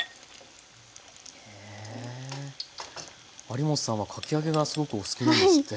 有元さんはかき揚げがすごくお好きなんですって？